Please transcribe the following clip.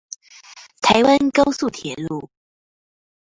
台灣高速鐵路